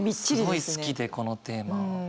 すごい好きでこのテーマ。